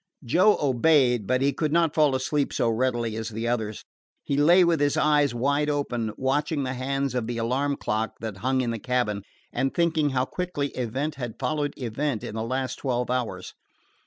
Joe obeyed, but he could not fall asleep so readily as the others. He lay with his eyes wide open, watching the hands of the alarm clock that hung in the cabin, and thinking how quickly event had followed event in the last twelve hours.